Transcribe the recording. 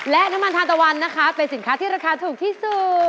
และน้ำมันทานตะวันนะคะเป็นสินค้าที่ราคาถูกที่สุด